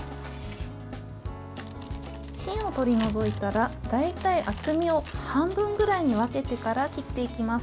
芯を取り除いたら大体、厚みを半分ぐらいに分けてから切っていきます。